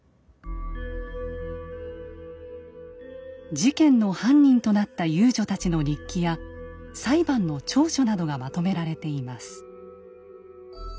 事件の犯人となった遊女たちの日記や裁判の調書などがまとめられています。